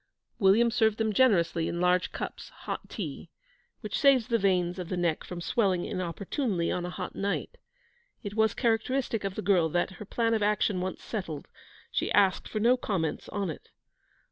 William served them generously, in large cups, hot tea, which saves the veins of the neck from swelling inopportunely on a hot night. It was characteristic of the girl that, her plan of action once settled, she asked for no comments on it.